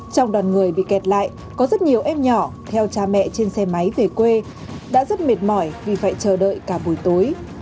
trong đoàn người bị kẹt lại có rất nhiều em nhỏ theo cha mẹ trên xe máy về quê đã rất mệt mỏi vì phải chờ đợi cả buổi tối